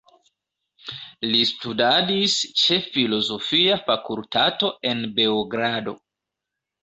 Li studadis ĉe filozofia fakultato en Beogrado.